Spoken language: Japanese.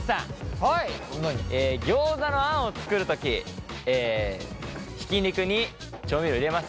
ギョーザのあんを作る時ひき肉に調味料入れます。